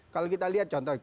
kalau kita lihat contohnya